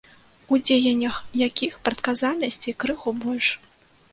У дзеяннях якіх прадказальнасці крыху больш.